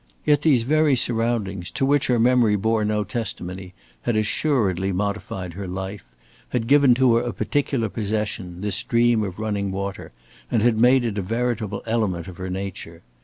Yet these very surroundings to which her memory bore no testimony had assuredly modified her life, had given to her a particular possession, this dream of running water, and had made it a veritable element of her nature.